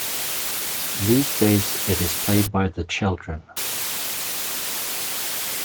These days it is played by the children.